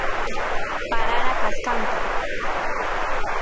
parara kaskanta